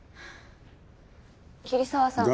桐沢さん。